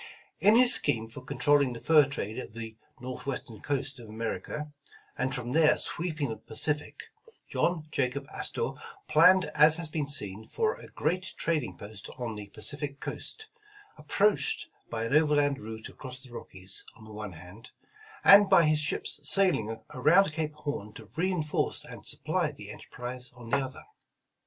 IN his scheme for controlling the fur trade of the Northwestern coast of America, and from there sweeping the Pacific, John J Jacob Astor planned as has been seen, for a great trading post on the Pacific coast, approached by an overland route across the Rockies on the one hand; and by his ships sailing around Cape Horn to reinforce and supply the enter prise on the other.